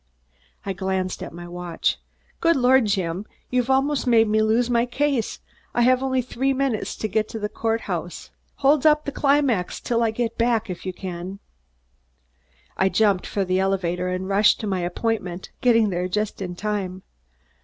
I glanced at my watch. "Good lord, Jim! You've almost made me lose my case. I have only three minutes to get to the court house. Hold up the climax until I get back, if you can." I jumped for the elevator and rushed to my appointment, getting there just in time.